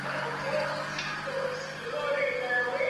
kustaajabisha kwa sababu mkongwe ambaye ni bingwa marathon wa dunia